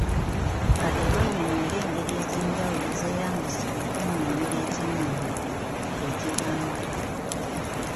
Laga era onnyonnyole engeri ez’enjawulo ezeeyambisibwa okunnyonnyola ekimiimo “Ekigambo”.